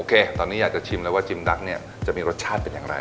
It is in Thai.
ตอนนี้อยากจะชิมแล้วว่าจิมดักเนี่ยจะมีรสชาติเป็นอย่างไร